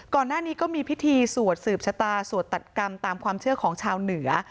ก่อนหน้านี้ก็มีพิธีสวดสืบชะตาสวดตัดกรรมตามความเชื่อของชาวเหนือ